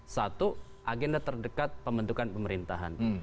satu agenda terdekat pembentukan pemerintahan